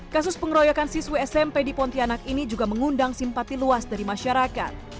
kasus pengeroyokan siswi smp di pontianak ini juga mengundang simpati luas dari masyarakat